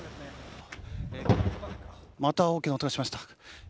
また大きな音がしました。